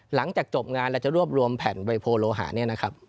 หลังจากจบงานเราจะรวบรวมแผ่นไบโพลโลหะเนี่ยนะครับ